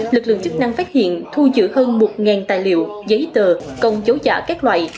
lực lượng chức năng phát hiện thu giữ hơn một tài liệu giấy tờ công dấu giả các loại